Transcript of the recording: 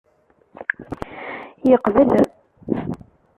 Yeqbel.